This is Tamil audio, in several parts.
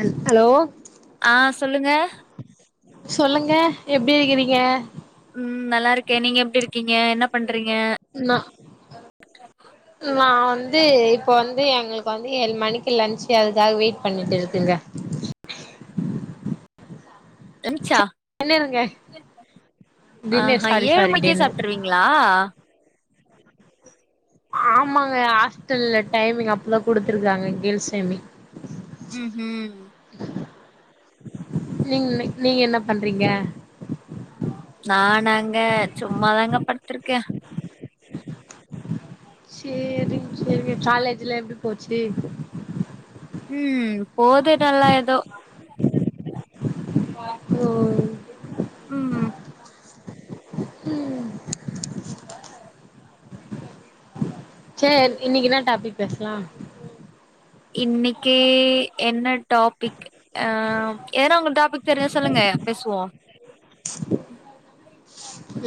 ஹெல் ஹலோ ஆ சொல்லுங்க சொல்லுங்க எப்டி இருக்கிறீங்க உம் நல்லா இருக்கே நீங்க எப்டி இருக்கீங்க என்ன பண்றீங்க நா ரக்கா நா வந்து இப்போ வந்து எங்களுக்கு வந்து ஏழு மணிக்கு லன்ச்சு அதுக்காக வெயிட் பண்ணிட்டு இருக்குங்க லன்ச்சா டின்னருங்க டின்னர் ஆஹா சாரி ஏழு சாரி மணிக்கே டின்னர் சாப்பட்டுருவீ ங்களா ஆமாங்க ஹாஸ்டல்ல டைமிங் அப்டிதா குடுத்துருக்காங்க கேள்ஸ் டைமி ம்ஹூம் நீங் நீங்க என்ன பண்றீங்க நானாங்க சும்மாதாங்க படுத்திருக்கே செரிங் செரிங்க காலேஜ்ல எப்டி போச்சு ம் போது நல்லா ஏதோ ப ஓ ம் ம் சேரி இன்னைக்கி என்னா டாபிக் பேசலா இன்னைக்கி என்ன டாபிக் ஆ ஏதனா உங்க டாபிக் தெரிஞ்சா சொல்லுங்க பேசுவோ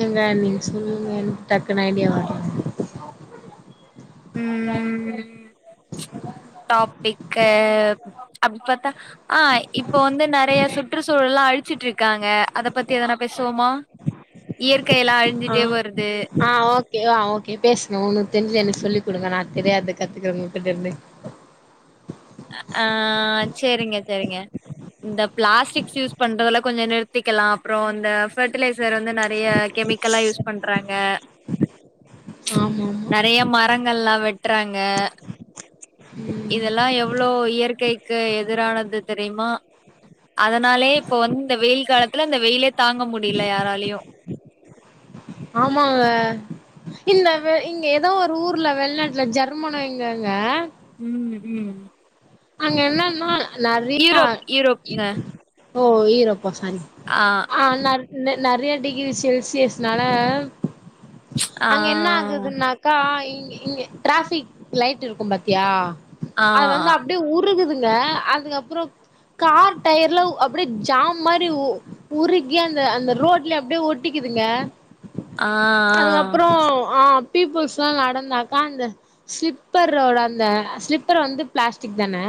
ஏங்க நீங்க சொல்லுங்க எனக்கு டக்குன்னு ஐடியா வரல ம் டாபிக்கு அப்டி பாத்தா ஆ இப்போ வந்து நெறைய சுற்றுச்சூழல்லா அழிச்சிட்டு இருக்காங்க அத பத்தி எதனா பேசுவோமா இயற்கை எல்லா ஆ அழிஞ்சிட்டே வருது ஆ ஓகே அ ஓகே பேசுங்க ஒன்னு தெரிஞ்ச எனக்கு சொல்லிக் குடுங்க நா தெரியாது கத்துக்குறே உங்ககிட்ட இருந்து ஆ சேரிங்க சேரிங்க இந்த பிளாஸ்டிக்ஸ் யூஸ் பண்றதுல கொஞ்ச நிறுத்திக்கலாம் அப்றோ இந்த ஃபர்டிலைசர் வந்து நெறைய கெமிக்கலா யூஸ் பண்றாங்க ந ஆமா ஆமா நெறைய மரங்கள்லா வெட்டறாங்க ம் இதெல்லா எவ்ளோ இயற்கைக்கு எதிரானது தெரியுமா அதனாலயே இப்ப வந்து இந்த வெயில் காலத்துல இந்த வெயிலே தாங்க முடியல யாராலயு ஆமாங்க இந்த இங்க ஏதோ ஒரு ஊர்ல வெளிநாட்டுல ஜர் மணோ இங்கங்க ம் ம் அங்க என்னன்ன நெறையா யூரோப் யூரோப்ங்க ஓ ஈரப்பா சாரி ஆ ந நெ நெறைய டிகிரி செல்சியஸ்னால ஆ அங்க என்ன ஆகுதுன்னா கா இங்க இங்க டிராஃபிக் லைட் இருக்கு பாத்தியா ஆ அது வந்து ஆ அப்டியே உருகுதுங்க அதுக்கப்புறோ கார் டயர்லா அப்டியே ஜாம் மாரி உருகி அந்த அந்த ரோட்ல அப்டியே ஒட்டிக்குதுங்க ஆ அதுக்கப்புறோ ஆ பீப்புள்ஸ்ல்லா நடந்தாக்கா அந்த ஸ்லிப்பரோட அந்த ஸ்லிப்பர் வந்து பிளாஸ் டிக்தானே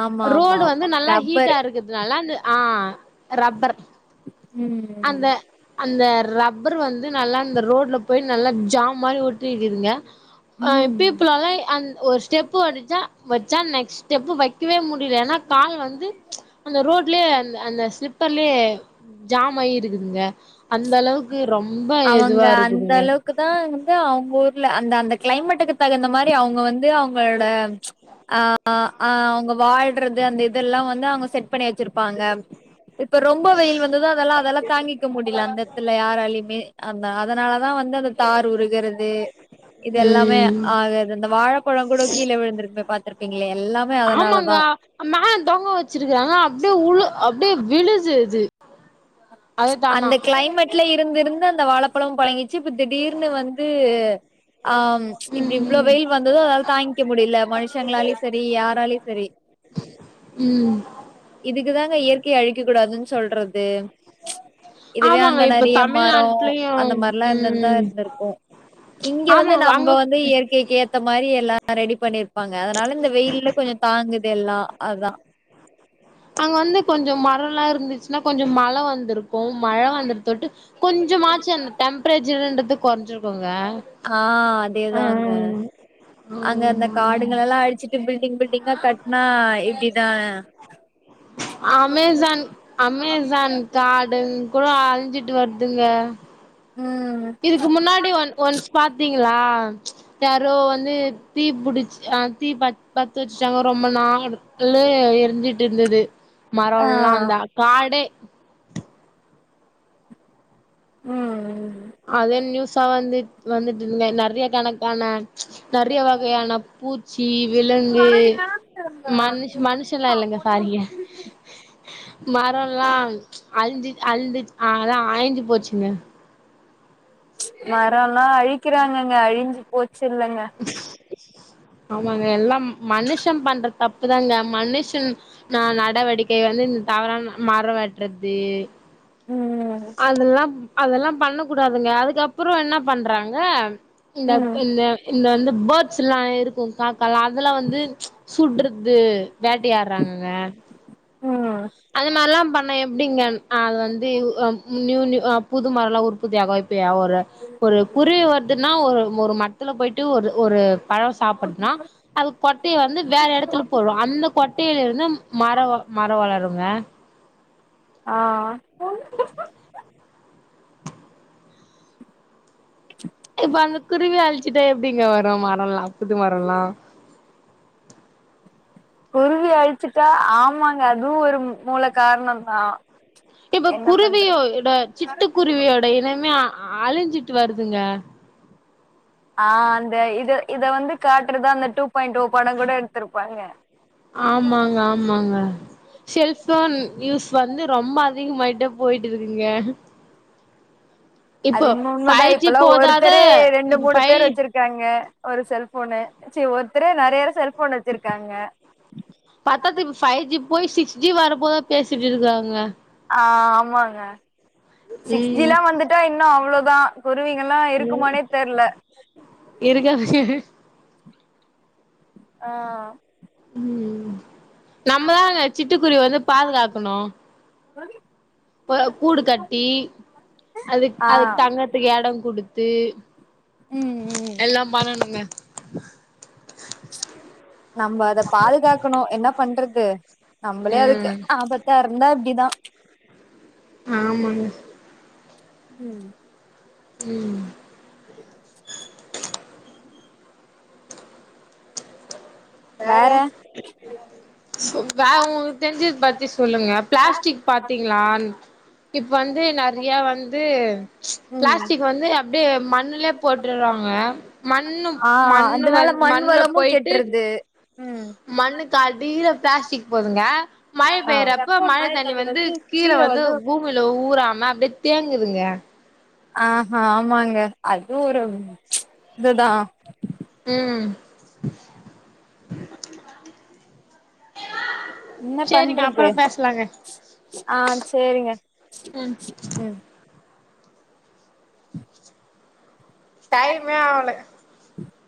ஆமா ஆமா ரோடு வந்து ஆமா நல்லா ஹீட்டா ரப்பர் இருக்குது அதனால அந்த ஆ ரப்பர் ம் அந்த அந்த ரப்பர் வந்து நல்லா அந்த ரோட்ல போய் நல்லா ஜாம் மாரி ஒ டிக்குதுங்க அ ம் பீப்புளல்லா அந் ஒரு ஸ்டெப் பு அடிச்சா வச்சா நெக்ஸ்ட் ஸ்டெப்பு வெக்கவே முடியல ஏன்னா கால் வந்து அந்த ரோட்லயே அந்த அந்த ஸ்லிப்பர்லயே ஜாம் ஆயி இருக்குதுங்க அந்த அளவுக்கு ரொம்ப இதுவா இருக்குதுங்க க்குதா வந்து அவுங்க ஊர்ல அந்த அந்த கிளைமேட்டுக்கு தகுந்த மாரி அவுங்க வந்து அவுங்களோட ஆ ஆ அவுங்க வாழ்றது அந்த இதெல்லா வந்து அவுங்க செட் பண்ணி வெச்சிருப்பாங்க இப்ப ரொம்ப வெயில் வந்துதா அதெல்லா அதெல்லா தாங்கிக்க முடில அந்த எத்துல யாராலி யிமே அந்த அதனாலதா வந்து அந்த தார் உருகுறது இது எல்லாமே ம் ஆகாது அந்த வாழ பழங்கூட கீழ விழுந்திருக்மே பாத்திருப்பீங்களே எல்லாம் ஆமாங்கா மேல தொங்கா வெச்சிருக்காங்க அப்டியே உழு அப்டியே விழுது அது தானா அந்த க்ளைமேட்ல இருந்திருந்து அந்த வாழப்பழம் பழங்கிச்சு இப்ப திடீர்னு வந்து ஆம் இப்டி இவ்ளோ ம் வெயில் வந்ததோ அது தாய்ங்க்க முடியில மனுஷங்ளாலயு செரி யாராலயு செரி ம் இதுக்குதாங்க இயற்கை அழிக்க கூடாதுன் சொல்றது இதுவே ஆமாங்க அங்க இப்ப நெறய மரோ தமிழ்நாட்லயு அந்த மார்ல்லா இந்துந்தா ம் இந்துருக்கு இங்க ஆமா வந்து நம்ப அங்க வந்து இயற் கைக்கு ஏத்த மாரி எல்லா ரெடி பண்ணிருப்பாங்க அதனால இந்த வெயில்ல கொஞ்ச தாங்குது எல்லா அதா அங்க வந்து கொஞ்சம் மரல்லா இருந்துச்சுன்னா கொஞ்சம் மழ வந்திருக்கு மழ வந்துருதோட்டு கொஞ்சமாச்சு அந்த டெம்ப்பரேச்சரின்றது கொற்ஞ்சிர் க்கோங்க ஆ அதேதாங்க அங்க அந்த காடுங்களெல்லா அழுச்சுட் டு பில்டிங் பில்டிங்கா கட்னா இப்டிதா அமேசான் அமேசான் காடுங்கூட அழிஞ்சிட்டு வர்துங்க ம் இதுக்கு முன்னாடி ஒன் ஓன்ஸ் பாத்தீங்களா யாரோ வந்து தீ புடிச் ஆ தீ பத் பத்த வெச்சுட்டாங்க ரொம்ப நா [unintelligible] எரிஞ்சிட்டு இருந்தது ஆ மரொல்லா அந்தா காடே ம் ம் அதே நியூஸா வந்துட் வந்துட்ருந்தே நறைய கணக்கான நறிய வகையான பூச்சி விலங்கு மனுஷ் மனுஷெல்லா இல்லங்க சாரிங்க மரோல்லாம் அழிஞ்சு அழிஞ்சுச் அ அதா அழிஞ்சு போச்சுங்க மரோ எல்லா அழிக்கிறாங்கங்க அழிஞ்சுப் போச்சு இல்லங்க ஆமாங்க எல்லாம் மனுஷ பண்ற தப்புதாங்க மனுஷன் ந நடவடிக்கை வந்து இந் தவறான மர வெட்றது ம் அதெல்லாம் அதெல்லாம் பண்ண கூடாதுங்க அதுக்கப்புற என்ன பண்றாங்க இந்த ம் இந்த இந்த வந்து பேட்ஸில்லா இருக்கும் காக்காலா அதெல்லா வந்து சுடுறது வேட்டையாடுறாங்கங்க ம் அந்த மார்லா பண்ணா எப்டிங்க அந் அது வந்து ஒ ம் ந்யூ ந்யூ அ புது மரல்லா உற்பத்தியாகு இ ப்பியா ஒரு ஒரு குருவி வர்துன்னா ஒரு ஒரு மரத்துல போய்ட்டு ஒரு ஒரு பழோ சாப்பட்துனா அது கொட்டைய வந்து வேற எடத்துல போடோ அந்த கொட்டையில இருந்து மர வ மர வளருங்க அ அ இப்ப அந்த குருவிய அழிச்சுட்டா எப்டிங்க வரு மரோல்லா புது மரோல்லா குருவி அழிச்சுட்டா ஆமாங்க அதுவு ஒரு மூல காரணம் தா இப்ப குருவியோட சிட்டு குருவியோட இனமே அழிஞ்சிட்டு வருதுங்க ஆ அந்த இத இத வந்து காட்டுறது அந்த டூ பாயிண்ட் ஓ படோ கூட எடுத்திருப்பாங்க ஆமாங்க‌ ஆ ஆமாங்க செல்போன் யூஸ் வந்து ரொம்ப அதிகமாயிட்டே போய்ட்டு இருக்குங்க அது இப்போ இன்மோ உண்மதா ஃபைவ் ஜி இப்பெல்லா போதாத ஒருத்தரே ரெண்டு இப்ப மூணு ஃபைவ் பேர் வெச்சிருக் இருக்காங்க ஒரு செல்போனு ஒருத்தரே நெறைய செல்போன் வெச்சிருக்காங்க பத்தாத்து இப்ப ஃபைவ் ஜி போய் சிக்ஸ் ஜி வர போதா பேசிட்டு இருக்காங்க ஆ ஆமாங்க சிக்ஸ் ஜி ம் லா வந்துட்டா இன்னு அவ்ளோதா குருவிங்கல்லா ம் இருக்குமானே தெர்ல இருக்காதுங்க ஆ ம் நம்மதாங்க சிட்டுக்குருவி வந்து பாதுகாக்கணு இப்ப கூடு கட்டி அதுக் ஆ அதுக் தங்கற்த்துக் எட குடுத்து ம் ம் எல்லா பண்ணணுங்க நம்ப அத பாதுகாக்கணு என்ன பண்றது நம்மளே அதுக்கு ம் ஆபத்த இருந்தா இப்பிடிதா ஆமாங்க ம் ம் [inaudible] வேற வேற உங்ளுக்கு தெரிஞ்சத பத்தி சொல்லுங்க பிளாஸ்டிக் பத் திங்ளா இப்ப வந்து நெறையா வந்து ம் பிளாஸ்டிக் வந்து அப்டியே மண்ணுலியே போட்டுறாங்க மண்ணு ஆ மண்ணு அதனால வந் மண் மண்ல வளமு போயிட்டு கெட்ருது ம் மண்ணுக்கு அடில பிளாஸ்டிக் போதுங்க மழ பேயிறப்போ மழ தண்ணி வந்து கீழ வந்து பூமில ஊராம அப்டியே தேங்குதுங்க ஆஹா ஆமாங்க அது ஒரு இதுதா ம் என்ன சேரிங்க பண்றது அப்புறோ பேசலாங்க ஆ சேரிங்க ம் ம் டைமே ஆவல